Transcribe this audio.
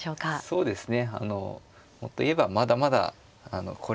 そうですよね。